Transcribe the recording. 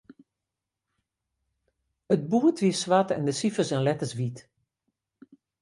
It boerd wie swart en de sifers en letters wyt.